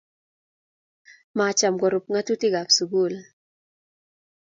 macham korub ng'atutikab sukul